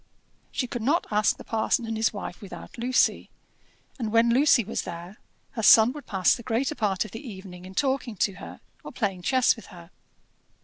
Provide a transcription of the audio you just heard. She could not ask the parson and his wife without Lucy; and when Lucy was there, her son would pass the greater part of the evening in talking to her, or playing chess with her.